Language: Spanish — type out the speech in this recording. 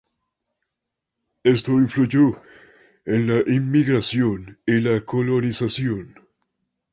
Esto influyó en la inmigración y la colonización.